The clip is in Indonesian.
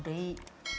udah insap dia